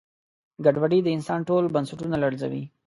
ګډوډي د انسان ټول بنسټونه لړزوي.